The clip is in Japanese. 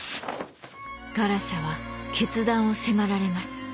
ガラシャは決断を迫られます。